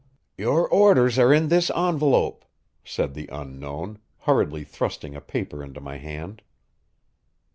"Your orders are in this envelope," said the Unknown, hurriedly thrusting a paper into my hand.